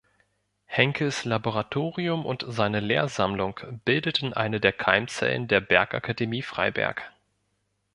Henckels Laboratorium und seine Lehrsammlung bildeten eine der Keimzellen der Bergakademie Freiberg.